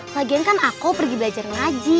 lagian kan aku pergi belajar ngaji